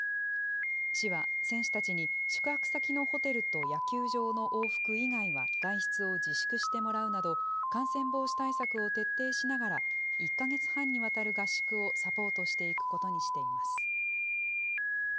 市は選手たちに宿泊先のホテルと野球場の往復以外は外出を自粛してもらうなど、感染防止対策を徹底しながら、１か月半にわたる合宿をサポートしていくことにしています。